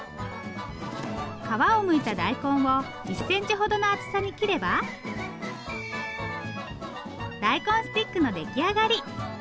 皮をむいた大根を１センチほどの厚さに切れば大根スティックの出来上がり。